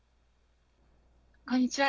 こんにちは。